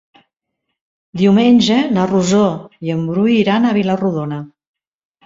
Diumenge na Rosó i en Bru iran a Vila-rodona.